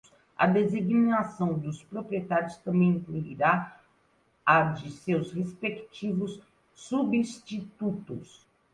A designação dos proprietários também incluirá a de seus respectivos substitutos.